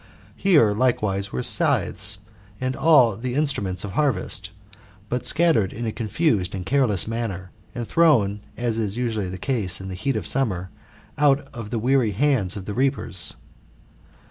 Here, likewise, were sithes,) and all the instruments of harvest, but scattered in a confused and careless manner, and thrown, as is usually the case in the heat of summer, out of the weary hands 'of the reapers.